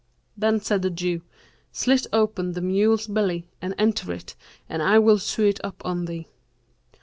Then said the Jew, 'Slit open the mule's belly and enter it and I will sew it up on thee.